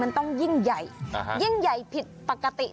มันต้องยิ่งใหญ่ยิ่งใหญ่ผิดปกติ